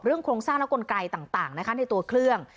เรื่องโครงสร้างและกลไกลต่างในตัวเครื่อง